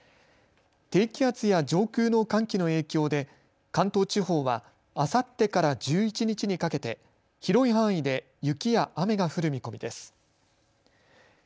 低気圧や上空の寒気の影響で関東地方はあさってから１１日にかけて広い範囲で雪や雨が降る見込みです。